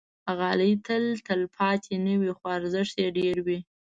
غالۍ تل تلپاتې نه وي، خو ارزښت یې ډېر وي.